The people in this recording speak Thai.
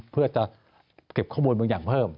เพื่อจะเก็บข้อมูลบางอย่างเพิ่ม